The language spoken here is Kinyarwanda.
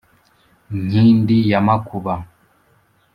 nkindi ya makuba,